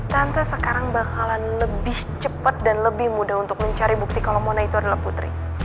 tante sekarang bakalan lebih cepat dan lebih mudah untuk mencari bukti kalau mona itu adalah putri